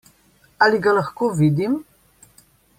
Ali ga lahko vidim?